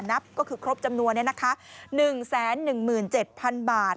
นับก็คือครบจำนวนนี้นะคะ๑๑๗๐๐๐บาท